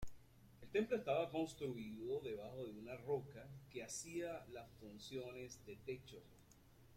El templo estaba construido debajo de una roca que hacía las funciones de techo.